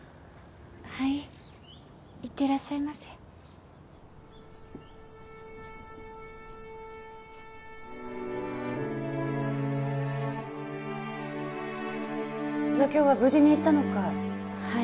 はい行ってらっしゃいませじゃ今日は無事に行ったのかい